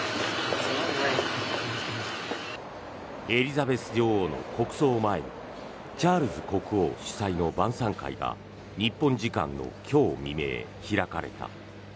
エリザベス女王の国葬を前にチャールズ国王主催の晩さん会が日本時間の今日未明、開かれた。